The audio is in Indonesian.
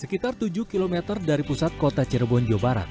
sekitar tujuh km dari pusat kota cirebon jawa barat